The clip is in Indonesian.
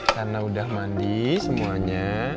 karena sudah mandi semuanya